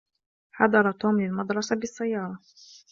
حضر توم للمدرسة بالسيارة